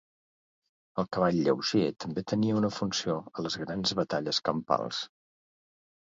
El cavall lleuger també tenia una funció a les grans batalles campals.